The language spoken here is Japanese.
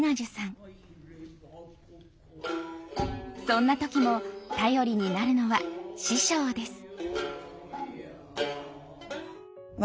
そんな時も頼りになるのは師匠です。